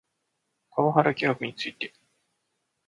パワハラ疑惑について